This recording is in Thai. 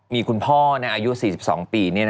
มีคุณพ่ออายุ๔๒ปี